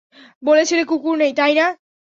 বলেছিলে কুকুর নেই, তাই না?